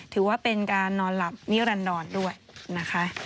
ถือว่าเป็นการนอนหลับนิรันดรด้วยนะคะ